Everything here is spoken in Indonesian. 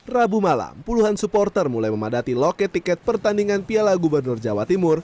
rabu malam puluhan supporter mulai memadati loket tiket pertandingan piala gubernur jawa timur